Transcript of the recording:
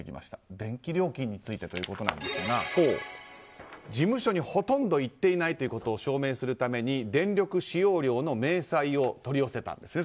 電気料金についてということですが事務所にほとんど行っていないということを証明するために電力使用量の明細を取り寄せたんですね。